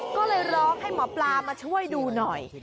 ก็เลยร้องให้หมอปลามาช่วยดูหน่อย